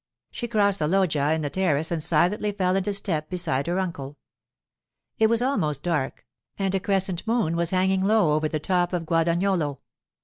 She crossed the loggia to the terrace and silently fell into step beside her uncle. It was almost dark, and a crescent moon was hanging low over the top of Guadagnolo.